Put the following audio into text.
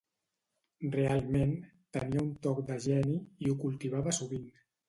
Realment, tenia un toc de geni, i ho cultivava sovint.